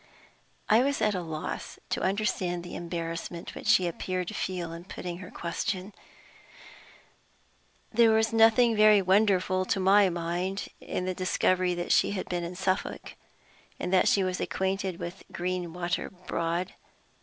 I was at a loss to understand the embarrassment which she appeared to feel in putting her question. There was nothing very wonderful, to my mind, in the discovery that she had been in Suffolk, and that she was acquainted with Greenwater Broad.